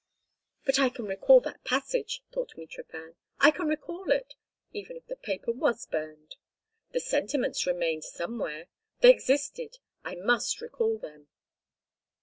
"But I can recall that passage," thought Mitrofan. "I can recall it. Even if the paper was burned, the sentiments remained somewhere; they existed. I must recall them."